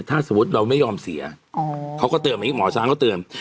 ถ้าสมมติเราไม่ยอมเสียเขาก็เติมอันนี้หมอช้างเขาเติม